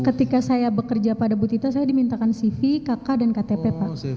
ketika saya bekerja pada bu tita saya dimintakan cv kk dan ktp pak